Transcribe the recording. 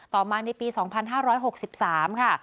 ต่อมาในปี๒๕๖๓ค่ะ